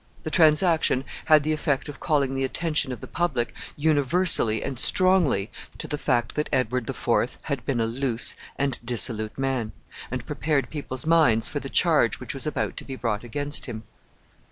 The transaction had the effect of calling the attention of the public universally and strongly to the fact that Edward the Fourth had been a loose and dissolute man, and prepared people's minds for the charge which was about to be brought against him.